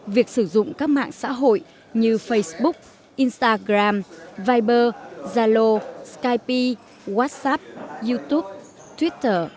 việc sử dụng các mạng xã hội như facebook instagram viber zalo skypee whatsapp youtube twitter